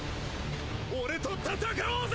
俺と戦おうぜ。